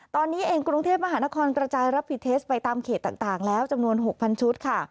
ตอนนี้เองกรุงเทพมหานครกระจายรับผิดเทสไปตามเขตต่างแล้วจำนวน๖๐๐ชุดค่ะ